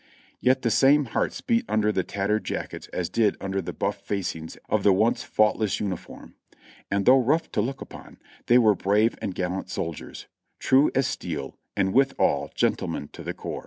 Yet the same hearts beat under the tattered jackets as did under the buff facings of the once faultless uniform ; and though rough to look upon, they were brave and gallant soldiers, true as steel, and withal gentlemen to the core.